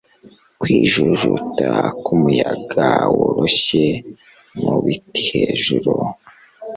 Kwijujuta kumuyaga woroshye mu bitihejuru